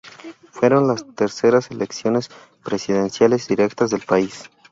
Fueron las terceras elecciones presidenciales directas del país.